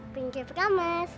thank you pak mas